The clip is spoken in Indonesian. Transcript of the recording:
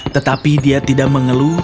tetapi dia tidak mengeluh